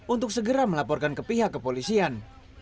untuk segera melaporkan ke pihak kepolisian